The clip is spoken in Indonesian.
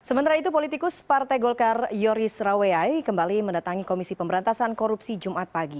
sementara itu politikus partai golkar yoris raweai kembali mendatangi komisi pemberantasan korupsi jumat pagi